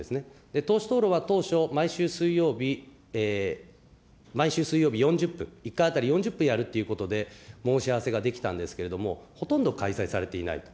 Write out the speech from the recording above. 党首討論は当初、毎週水曜日、毎週水曜日、４０分、１回当たり４０分やるということで、申し合わせができたんですけれども、ほとんど開催されていないと。